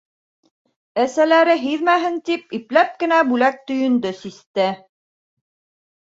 Әсәләре һиҙмәһен тип, ипләп кенә бүләк төйөндө систе.